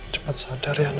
cepat sadar ya naya